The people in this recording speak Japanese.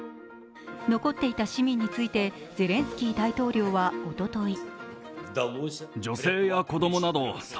残っていた市民についてゼレンスキー大統領はおととい